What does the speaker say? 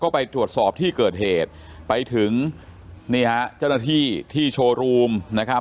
ไปตรวจสอบที่เกิดเหตุไปถึงนี่ฮะเจ้าหน้าที่ที่โชว์รูมนะครับ